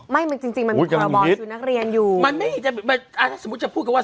ไม่มันจริงจริงมันมีพรบชุดนักเรียนอยู่มันไม่มีจะมาอ่าถ้าสมมุติจะพูดกันว่า